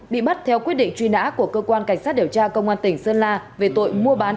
bị bắt theo quyết định truy nã của cơ quan cảnh sát điều tra công an tỉnh sơn la về tội mua bán